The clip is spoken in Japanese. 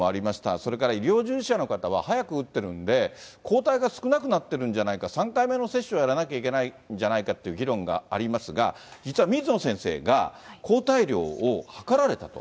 それから医療従事者の方は早く打ってるんで、抗体が少なくなってるんじゃないか、３回目の接種をやらなきゃいけないんじゃないかっていう議論がありますが、実は水野先生が抗体量を測られたと。